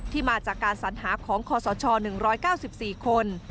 มาจากการสัญหาของคศ๑๙๔คน